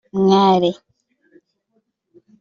Mwale